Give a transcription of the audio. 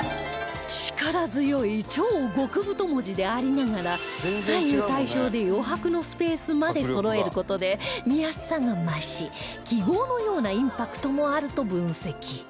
力強い超極太文字でありながら左右対称で余白のスペースまでそろえる事で見やすさが増し記号のようなインパクトもあると分析